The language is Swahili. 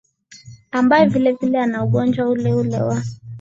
ambae vilevile ana ugonjwa ule ule wa